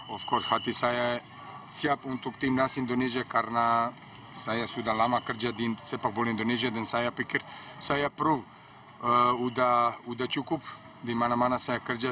of course hati saya siap untuk tim nasional indonesia karena saya sudah lama kerja di sepakbola indonesia dan saya pikir saya proof sudah cukup di mana mana saya kerja